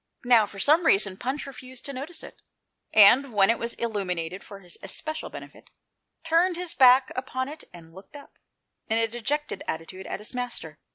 Now, for some reason. Punch refused to notice it, and, when it was illuminated for his especial benefit, turned his back upon it and looked up, in a dejected attitude, at his master.